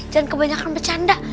jangan kebanyakan bercanda